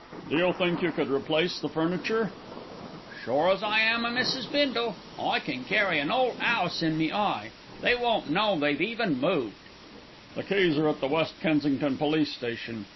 "Do you think you could replace the furniture?" "Sure as I am o' Mrs. Bindle. I can carry an 'ole 'ouse in me eye; they won't know they've even moved." "The keys are at the West Kensington Police Station.